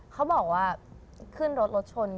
เขาบอกว่าขึ้นรถรถชน